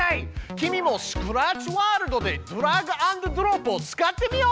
君もスクラッチワールドでドラッグアンドドロップを使ってみよう！